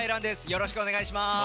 よろしくお願いします。